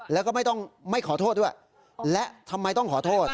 แล้วก็ไม่ต้องไม่ขอโทษด้วยและทำไมต้องขอโทษ